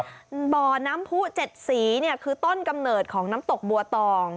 บ่อน้ำผู้๗สีเนี่ยคือต้นกำเนิดของน้ำตกบัวตอง